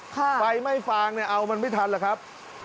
ค่ะฟางเอามันไม่ทันหรือครับ